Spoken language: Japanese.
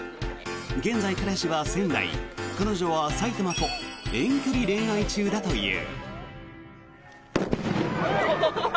現在、彼氏は仙台彼女は埼玉と遠距離恋愛中だという。